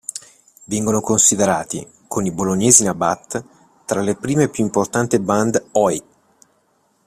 Vengono considerati, con i bolognesi Nabat, tra le prime e più importanti band Oi!